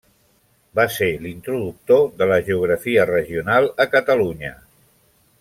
Va ser l'introductor de la geografia regional a Catalunya.